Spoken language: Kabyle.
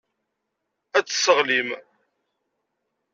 Ad t-tesseɣlim.